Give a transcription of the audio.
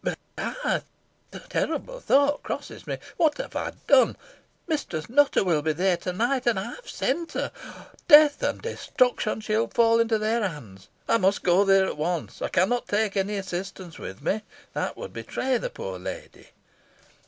But, ah! a terrible thought crosses me. What have I done? Mistress Nutter will be there to night. And I have sent her. Death and destruction! she will fall into their hands. I must go there at once. I cannot take any assistance with me. That would betray the poor lady."